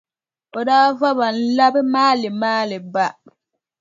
O daa va ba n-labi maalimaali ba,